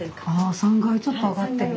３階ちょっと上がってみよう。